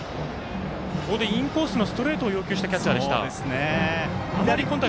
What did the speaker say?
ここでインコースのストレートを要求したキャッチャーでした。